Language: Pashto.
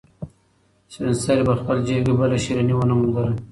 سپین سرې په خپل جېب کې بله شيرني ونه موندله.